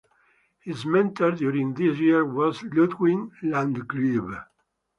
His mentor during these years was Ludwig Landgrebe.